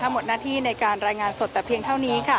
หมดหน้าที่ในการรายงานสดแต่เพียงเท่านี้